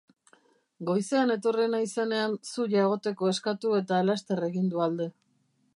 Goizean etorri naizenean zu jagoteko eskatu eta laster egin du alde.